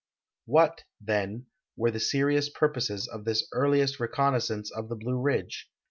What, then, were the serious purposes of this earliest recon naissance of the Blue Ridge?